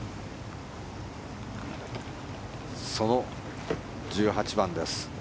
その１８番です。